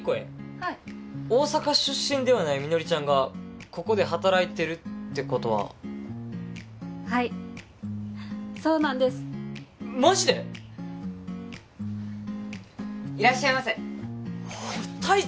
はい大阪出身ではないみのりちゃんがここで働いてるってことははいそうなんですマジで⁉いらっしゃいませタイチ！